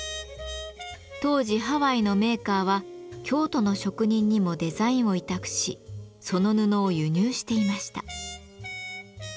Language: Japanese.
当時ハワイのメーカーは京都の職人にもデザインを委託しその布を輸入していました。